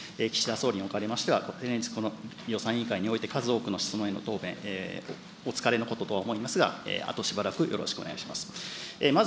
総理におかれましては、連日、予算委員会において数多くの質問やご答弁、お疲れのこととは思いますが、あとしばらくよろしくお願いいたします。